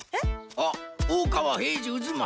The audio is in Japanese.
あっ大川平次渦正。